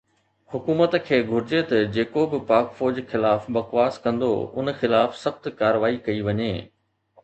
حڪومت کي گهرجي ته جيڪو به پاڪ فوج خلاف بکواس ڪندو ان خلاف سخت ڪارروائي ڪئي وڃي